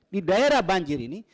di daerah banjir ini